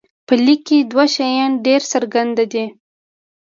په لیک کې دوه شیان ډېر څرګند دي.